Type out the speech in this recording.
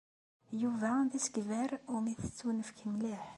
Yuba d asegbar umi tettunefk mliḥ.